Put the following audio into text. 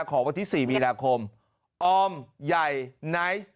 ขอบันทิศสี่เมื่อดาคมออร์มใหญ่ไนฟ์